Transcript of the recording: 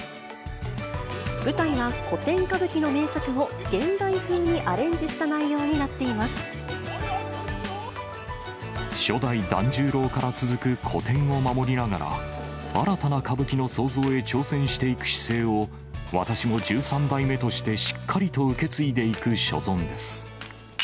舞台は古典歌舞伎の名作を現代風にアレンジした内容になっていま初代團十郎から続く古典を守りながら、新たな歌舞伎の創造へ挑戦していく姿勢を、私も十三代目としてしっかりと受け継いでいく所存です。